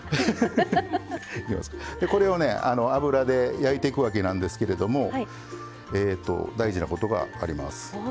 これを油で焼いていくわけなんですけれども大事なことがあります。